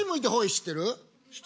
知ってる？